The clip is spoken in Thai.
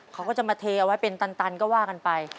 เขาก็จะมาเทเอาไว้เป็นตันก็ว่ากันไป